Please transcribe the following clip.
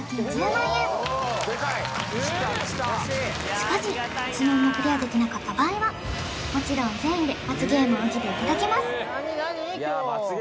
しかし１問もクリアできなかった場合はもちろん全員で罰ゲームを受けていただきます